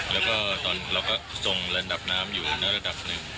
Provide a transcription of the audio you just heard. แล้วก็ตอนเราก็ทรงระดับน้ำอยู่ในระดับหนึ่ง